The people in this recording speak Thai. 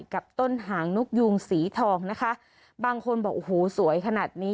กับต้นหางนกยูงสีทองนะคะบางคนบอกโอ้โหสวยขนาดนี้